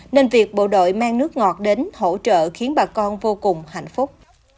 nên việc bộ đội mang nước ngọt đến hỗ trợ khiến bà con vô cùng hạnh phúc